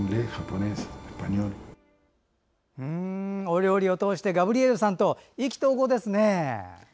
お料理を通してガブリエルさんと意気投合ですね。